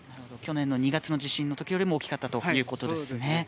去年の２月のときよりも大きかったということですね。